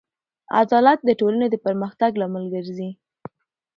عدالت د ټولنې د پرمختګ لامل ګرځي.